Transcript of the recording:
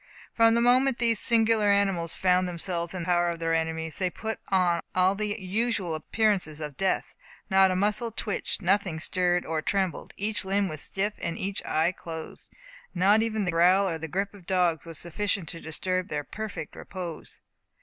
From the moment that these singular animals found themselves in the power of their enemies, they put on all the usual appearances of death; not a muscle twitched, nothing stirred or trembled; each limb was stiff, and each eye closed; not even the growl or grip of the dogs was sufficient to disturb their perfect repose.